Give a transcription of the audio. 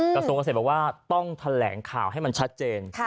กระทรวงเกษตรบอกว่าต้องแถลงข่าวให้มันชัดเจน